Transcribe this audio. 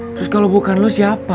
terus kalau bukan lo siapa